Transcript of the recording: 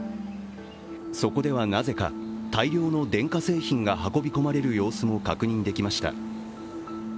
そこではなぜか大量の電化製品が運び込まれる様子も確認できました。